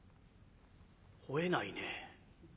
ほえないね。